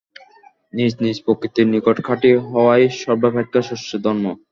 নিজ নিজ প্রকৃতির নিকট খাঁটি হওয়াই সর্বাপেক্ষা শ্রেষ্ঠ ধর্ম।